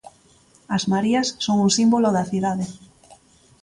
As Marías son un símbolo da cidade.